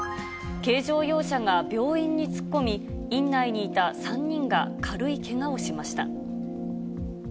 軽乗用車が病院に突っ込み、院内にいた３人が軽いけがをしました。